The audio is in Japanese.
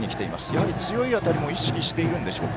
やはり強い当たりも意識しているんでしょうか？